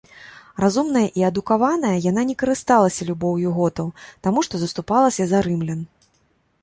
Разумная і адукаваная, яна не карысталася любоўю готаў, таму што заступалася за рымлян.